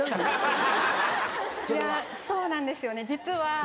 いやそうなんですよね実は。